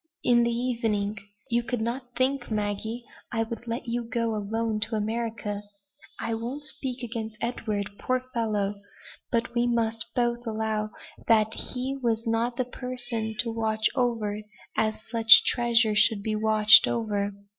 in the evening. You could not think, Maggie, I would let you go alone to America. I won't speak against Edward, poor fellow! but we must both allow that he was not the person to watch over you as such a treasure should be watched over.